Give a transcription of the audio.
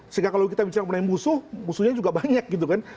sehingga kalau kita bicara mengenai musuh musuhnya juga banyak gitu kan